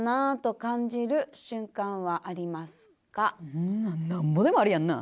そんなんなんぼでもあるやんな？